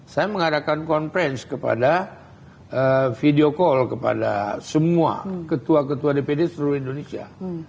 saya mengadakan conference kepada video call kepada semua ketua ketua dpd seluruh indonesia